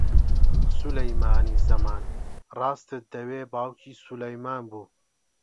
سولەیمانی زەمان، ڕاستت دەوێ، باوکی سولەیمان بوو